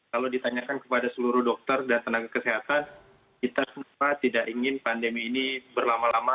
kalau ditanyakan kepada seluruh dokter dan tenaga kesehatan kita semua tidak ingin pandemi ini berlama lama